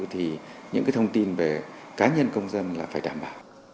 thì những cái thông tin về cá nhân công dân là phải đảm bảo